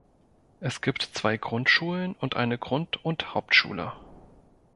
Es gibt zwei Grundschulen und eine Grund- und Hauptschule.